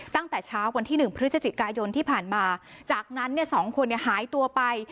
ตั้งแต่เช้าวันที่๑พฤศจิกายนที่ผ่านมาจากนั้นเนี่ยสองคนหายตัวไป